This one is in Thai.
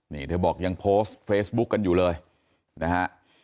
นี่เธอบอกยังโพสต์เฟซบุ๊กกันอยู่เลยนะฮะ